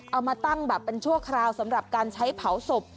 เอามาตั้งแบบเป็นชั่วคราวสำหรับการใช้เผาศพ